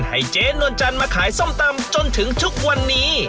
ให้เจ๊นวลจันทร์มาขายส้มตำจนถึงทุกวันนี้